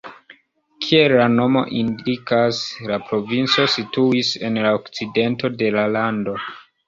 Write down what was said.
Kiel la nomo indikas, la provinco situis en la okcidento de la lando.